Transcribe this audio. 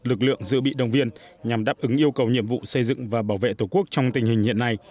lực lượng dự bị đồng viên nhằm đáp ứng yêu cầu nhiệm vụ xây dựng và bảo vệ tổ quốc trong tình hình hiện nay